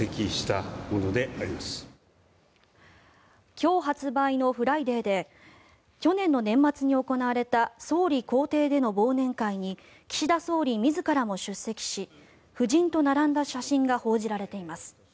今日発売の「ＦＲＩＤＡＹ」で去年の年末に行われた総理公邸での忘年会に岸田総理自らも出席し夫人と並んだ写真が報じられています。